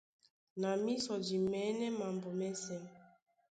Na mísɔ di mɛ̌nɛ́ mambo mɛ́sɛ̄.